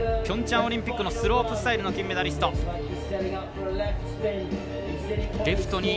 ピョンチャンオリンピックのスロープスタイルの金メダリスト。